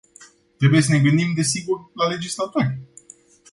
Trebuie să ne gândim, desigur, la legislatori.